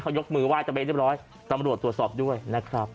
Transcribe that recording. เขายกมือไห้ตะเวนเรียบร้อยตำรวจตรวจสอบด้วยนะครับ